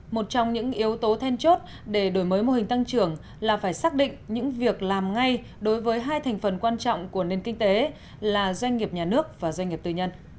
một trong những yếu tố then chốt để đổi mới mô hình tăng trưởng là phải xác định những việc làm ngay đối với hai thành phần quan trọng của nền kinh tế là doanh nghiệp nhà nước và doanh nghiệp tư nhân